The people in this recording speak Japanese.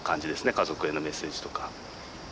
家族へのメッセージとか。